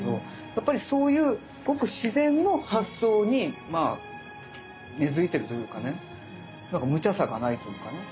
やっぱりそういうごく自然の発想に根づいてるというかねなんかむちゃさがないとかね。